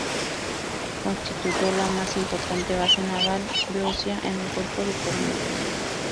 Constituyó la más importante base naval beocia en el golfo de Corinto.